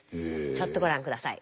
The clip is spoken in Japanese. ちょっとご覧下さい。